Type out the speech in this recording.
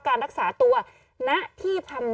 กล้องกว้างอย่างเดียว